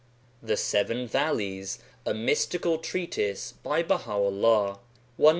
The Seven Valleys. A mystical treatise by Baha'u'Uah. Is.